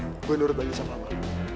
gue nurut lagi sama ama lu